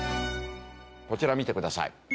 こちら見てください。